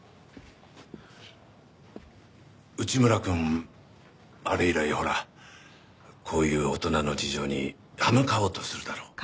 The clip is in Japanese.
内村くんあれ以来ほらこういう大人の事情に刃向かおうとするだろ？